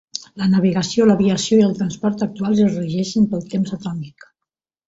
La navegació, l'aviació i el transport actuals es regeixen pel Temps Atòmic.